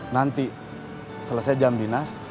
nanti selesai jam dinas